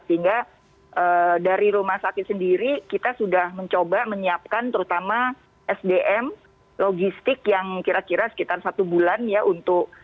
sehingga dari rumah sakit sendiri kita sudah mencoba menyiapkan terutama sdm logistik yang kira kira sekitar satu bulan ya untuk